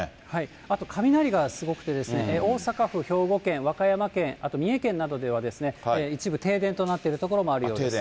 あと、雷がすごくて、大阪府、兵庫県、和歌山県、あと三重県などでは、一部、停電となっている所もあるようです。